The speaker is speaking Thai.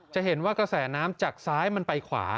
จะเห็นว่ากระแสน้ำจากซ้ายมันไปขวา